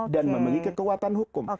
dan memiliki kekuatan hukum